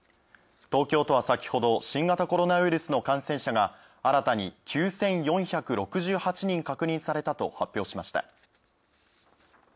東京都は先ほど新型コロナウイルスの感染者が新たに９４６８人確認されたと発表しました。